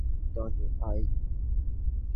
Tony, আয়।